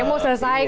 kemo selesai kan